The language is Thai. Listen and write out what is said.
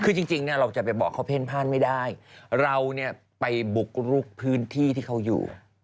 คือจริงเนี่ยเราจะไปบอกเขาเพ่นพ่านไม่ได้เราเนี่ยไปบุกลุกพื้นที่ที่เขาอยู่